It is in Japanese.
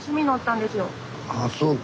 あそうか。